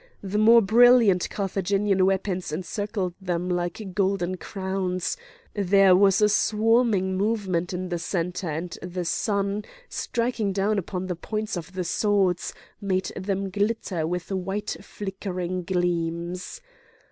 The more brilliant Carthaginian weapons encircled them like golden crowns; there was a swarming movement in the centre, and the sun, striking down upon the points of the swords, made them glitter with white flickering gleams.